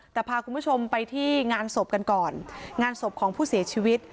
แต่พาคุณผู้ชมไปที่งานศพกันก่อนงานศพของผู้เสียชีวิต